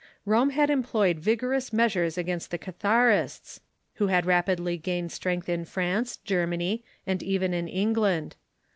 Rome had employed vigorous measures against the Catharists, Avho had rapidly gained strength in France, Germany, and even in Eng land.